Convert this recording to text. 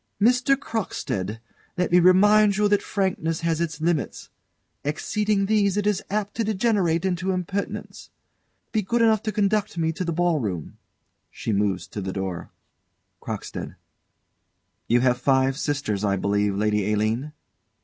_] Mr. Crockstead, let me remind you that frankness has its limits: exceeding these, it is apt to degenerate into impertinence. Be good enough to conduct me to the ball room. [She moves to the door. CROCKSTEAD. You have five sisters, I believe, Lady Aline?